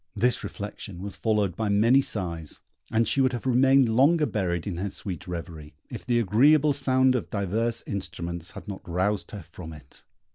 This reflection was followed by many sighs, and she would have remained longer buried in her sweet reverie, if the agreeable sound of divers instruments had not roused her from it.